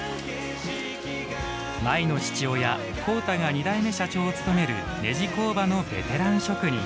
舞の父親・浩太が二代目社長を務めるネジ工場のベテラン職人。